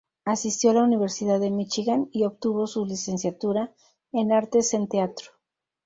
Asistió a la Universidad de Michigan y obtuvo su Licenciatura en Artes en Teatro.